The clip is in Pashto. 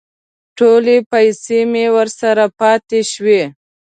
ټولې پیسې مې ورسره پاتې شوې.